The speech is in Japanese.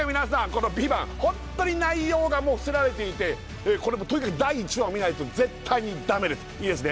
この「ＶＩＶＡＮＴ」ホントに内容がもう伏せられていてこれもうとにかく第１話を見ないと絶対にダメですいいですね